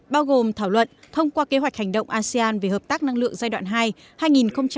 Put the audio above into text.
bao gồm thảo luận thông qua kế hoạch hành động asean về hợp tác năng lượng giai đoạn hai nghìn hai mươi một hai nghìn hai mươi năm